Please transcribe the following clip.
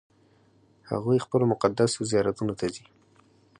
هغوی خپلو مقدسو زیارتونو ته ځي.